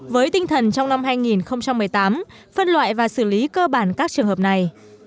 với tinh thần trong năm hai nghìn một mươi tám phân loại và xử lý cơ bản các trường hợp này